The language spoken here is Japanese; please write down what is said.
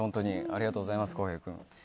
ありがとうございます、洸平君。